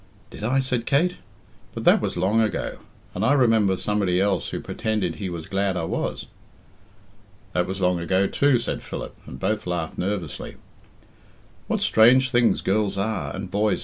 "Did I?" said Kate. "But that was long ago. And I remember somebody else who pretended he was glad I was." "That was long ago too," said Philip, and both laughed nervously. "What strange things girls are and boys!"